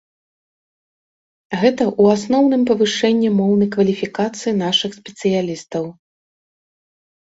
Гэта ў асноўным павышэнне моўнай кваліфікацыі нашых спецыялістаў.